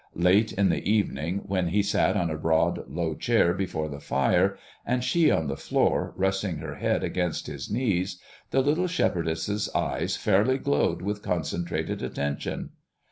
Late in the evening, when he sat on a broad, low chair before the fire, and she on the floor resting her head against his knees, the little shepherdess's eyes fairly glowed with concentrated attention.